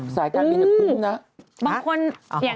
สายการบินเป็นปุ้มนะ